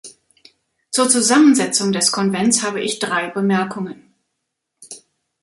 Zur Zusammensetzung des Konvents habe ich drei Bemerkungen.